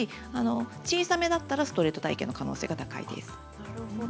小さめだったらストレート体形の可能性が高いです。